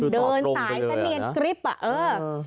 เดินสายเสนียนกริ๊บอ่ะเออ